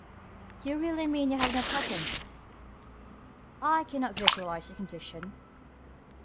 Do you really mean you have no preferences. I can not visualise the condition.